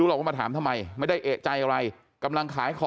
เห็นบอกว่าตรงนี้คือไม่ยังเลย